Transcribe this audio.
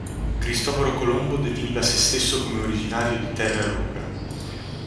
Cristoforo Colombo definiva se stesso come originario di "Terra Rubra".